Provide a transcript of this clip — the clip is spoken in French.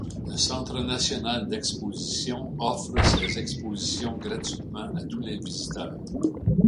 Le Centre national d’exposition offre ses expositions gratuitement à tous les visiteurs.